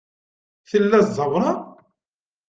Tella ẓẓawra?